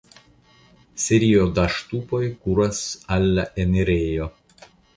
Serio da ŝtupoj kuras al la enirejo.